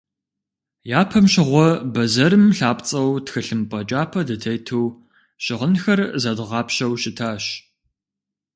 Япэм щыгъуэ бэзэрым лъапцӏэу тхылъымпӏэ кӏапэ дытету щыгъынхэр зэдгъапщэу щытащ.